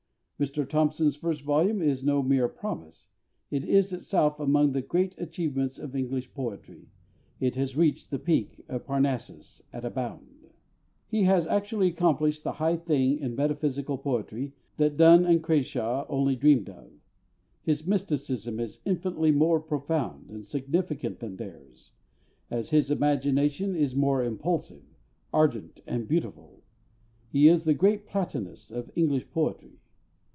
Mr THOMPSON'S first volume is no mere promise it is itself among the great achievements of English poetry; it has reached the peak of Parnassus at a bound. He has actually accomplished the high thing in metaphysical poetry that DONNE and CRASHAW only dreamed of. His mysticism is infinitely more profound and significant than theirs, as his imagination is more impulsive, ardent, and beautiful. He is the great Platonist of English poetry.